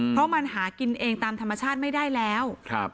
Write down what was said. เพราะมันหากินเองตามธรรมชาติไม่ได้แล้ว